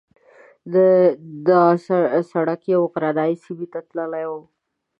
دا سړک یوې غرنۍ سیمې ته تللی و.